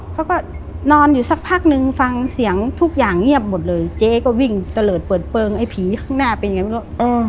เขาก็นอนอยู่สักพักนึงฟังเสียงทุกอย่างเงียบหมดเลยเจ๊ก็วิ่งตะเลิศเปิดเปลืองไอ้ผีข้างหน้าเป็นไงไม่รู้